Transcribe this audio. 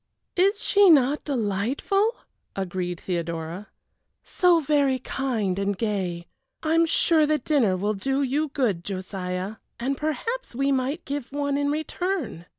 "Is she not delightful?" agreed Theodora; "so very kind and gay. I am sure the dinner will do you good, Josiah, and perhaps we might give one in return.